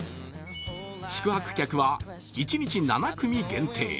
宿泊客は１日７組限定。